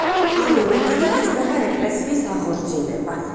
ამ მომენტიდან იწყება ეკლესიის აღორძინება.